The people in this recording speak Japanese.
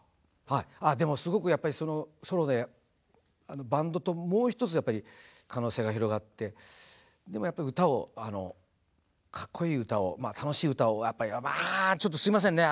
でもすごくやっぱりソロでバンドともう一つやっぱり可能性が広がってでもやっぱり歌をかっこいい歌を楽しい歌をやっぱりあちょっとすいませんね